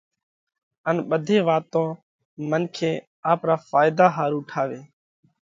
اي ٻڌي واتون منکي آپرا ڦائيڌا ۿارُو ٺاويھ۔